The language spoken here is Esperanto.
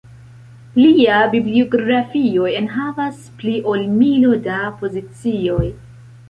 Lia bibliografio enhavas pli ol milo da pozicioj.